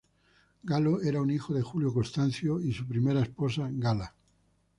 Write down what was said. Galo era un hijo de Julio Constancio y su primera esposa Gala.